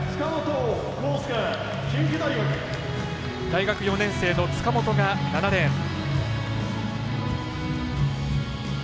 大学４年生の塚本が７レーン。